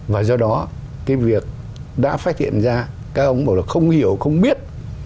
và do đó cái việc đã phát hiện ra các ông bảo là không hiểu không biết